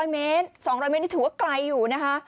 ๐เมตร๒๐๐เมตรนี่ถือว่าไกลอยู่นะคะ